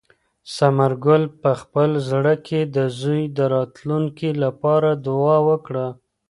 ثمر ګل په خپل زړه کې د زوی د راتلونکي لپاره دعا وکړه.